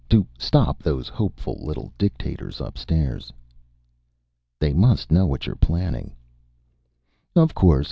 To stop those hopeful little dictators upstairs." "They must know what you're planning." "Of course.